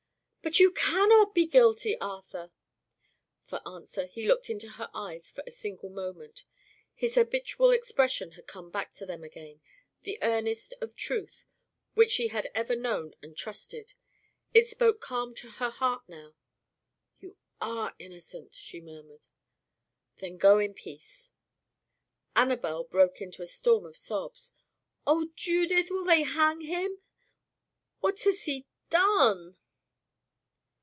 "But you cannot be guilty, Arthur." For answer he looked into her eyes for a single moment. His habitual expression had come back to them again the earnest of truth, which she had ever known and trusted. It spoke calm to her heart now. "You are innocent," she murmured. "Then go in peace." Annabel broke into a storm of sobs. "Oh, Judith! will they hang him? What has he done?"